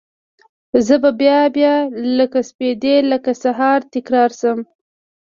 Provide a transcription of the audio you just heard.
زه به بیا، بیا لکه سپیدې لکه سهار، تکرار شم